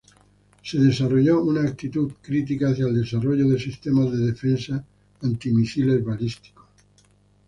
Se desarrolló una actitud crítica hacia el desarrollo de sistemas de defensa antimisiles balísticos.